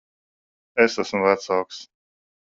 Es esmu vecāks.